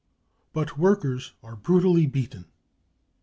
999 But Workers are Brutally Beaten.